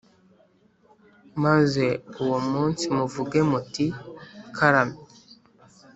maze uwo munsi muvuge muti karame